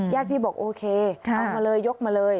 พี่บอกโอเคเอามาเลยยกมาเลย